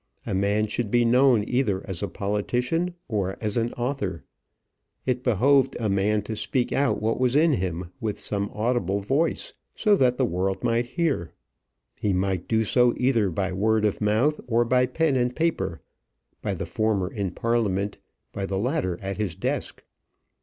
A man should be known either as a politician or as an author. It behoved a man to speak out what was in him with some audible voice, so that the world might hear. He might do so either by word of mouth, or by pen and paper; by the former in Parliament, by the latter at his desk.